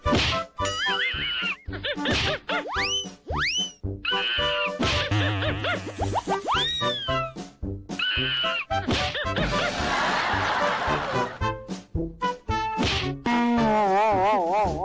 โอ้โฮอยากถักหยาบโอ้โฮ